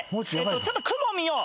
ちょっと雲見よう。